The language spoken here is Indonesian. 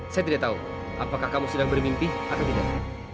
saya tidak tahu apakah kamu sedang bermimpi atau tidak